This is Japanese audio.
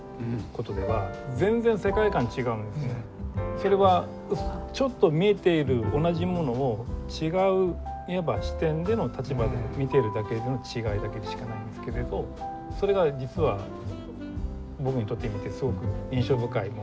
それはちょっと見えている同じものを違ういわば視点での立場で見ているだけの違いだけでしかないんですけれどそれが実は僕にとってみてすごく印象深いものだったんですね。